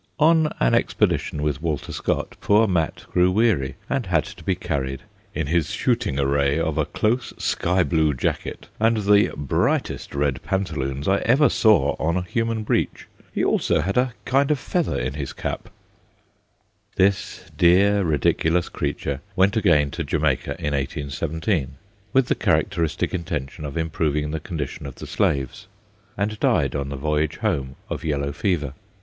On an expedition with Walter Scott poor Mat grew weary, and had to be carried, * in his shooting array of a close sky blue jacket, and the brightest red pantaloons I ever saw on a human breech. He also had a kind of feather in his cap/ This dear, ridiculous creature went again to Jamaica in 1817, with the characteristic intention of improving the condition of the slaves, and died on the voyage home of yellow fever.